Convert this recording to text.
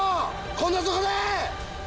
こんなとこでー！